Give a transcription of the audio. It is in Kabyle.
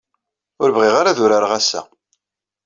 Ur bɣiɣ ara ad urareɣ ass-a.